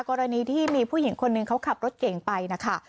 กรณีที่มีผู้หญิงคนหนึ่งเขาขับรถเก่งไปนะคะ